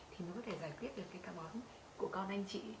thì mới có thể giải quyết được cái ca bón của con anh chị